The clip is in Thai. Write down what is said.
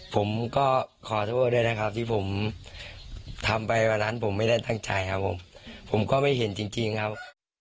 ผมก็ไม่เห็นจริงครับ